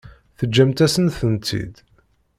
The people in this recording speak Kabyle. Teǧǧamt-asen-tent-id.